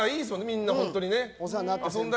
みんな本当に。